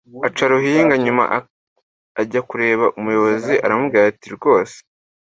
aca ruhinga nyuma ajya kureba umuyobozi aramubwira ati: “Rwose